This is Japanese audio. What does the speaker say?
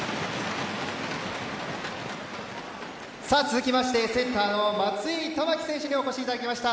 続きましてセッターの松井珠己選手にお越しいただきました。